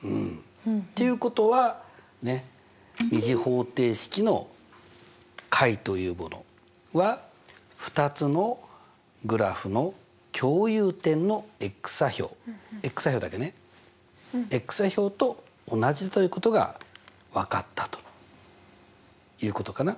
っていうことは２次方程式の解というものは２つのグラフの共有点の座標座標だけね座標と同じということが分かったということかな。